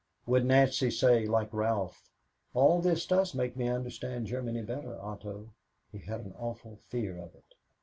Would Nancy say, like Ralph, "All this does make me understand Germany better, Otto"? He had an awful fear of it.